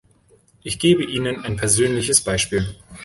Ich gebe Ihnen ein persönliches Beispiel.